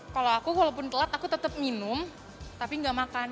kalau aku walaupun telat aku tetap minum tapi nggak makan